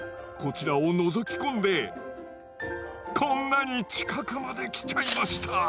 こちらをのぞき込んでこんなに近くまで来ちゃいました。